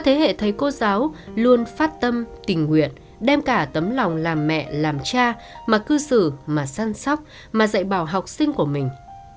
thế hệ thầy cô giáo luôn phát tâm tình nguyện đem cả tấm lòng làm mẹ làm cha mà cư xử mà săn sóc mà dạy bảo học sinh của mình